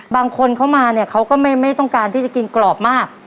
บางคนเขามาเนี่ยเขาก็ไม่ต้องการที่จะกินกรอบมาก